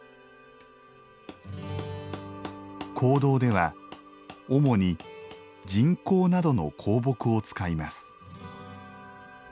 香道では主に「沈香」などの香木を使います。